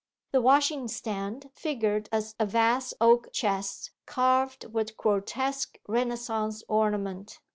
The washing stand figured as a vast oak chest, carved with grotesque Renaissance ornament.